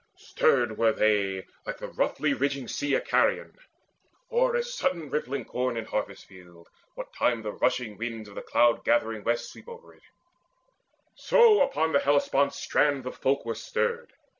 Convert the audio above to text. Stirred were they like the roughly ridging sea Icarian, or as sudden rippling corn In harvest field, what time the rushing wings Of the cloud gathering West sweep over it; So upon Hellespont's strand the folk were stirred.